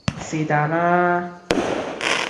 是但啦